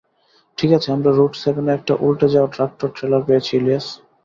ঠিক আছে, আমরা রুট সেভেনে একটা উল্টে যাওয়া ট্রাক্টর ট্রেলার পেয়েছি ইলিয়াস।